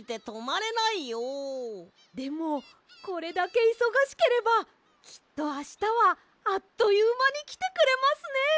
でもこれだけいそがしければきっとあしたはあっというまにきてくれますねえ。